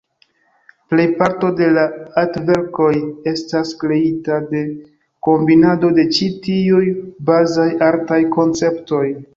Plejparto da artverkoj estas kreita de kombinado de ĉi tiuj bazaj artaj konceptoj.